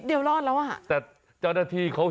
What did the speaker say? แบบนี้คือแบบนี้คือแบบนี้คือแบบนี้คือ